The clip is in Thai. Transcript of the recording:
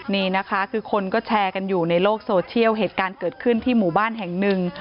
นี่นะคะคือคนก็แชร์กันอยู่ในโลกโซเชียลเหตุการณ์เกิดขึ้นที่หมู่บ้านแห่งหนึ่ง